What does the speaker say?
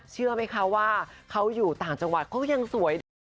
เชื่อไหมคะว่าเขาอยู่ต่างจังหวัดเขายังสวยด้วย